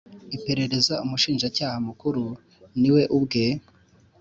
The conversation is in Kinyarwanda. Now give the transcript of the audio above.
iperereza Umushinjacyaha Mukuru ni we ubwe